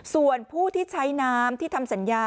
ส่วนผู้ที่ใช้น้ำที่ทำสัญญา